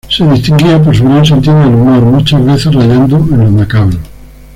Se distinguía por su gran sentido del humor, muchas veces rayando en lo macabro.